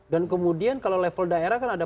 dan kemudian kalau level daerah kan ada